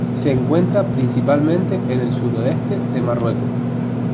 Se encuentra principalmente en el sudoeste de Marruecos.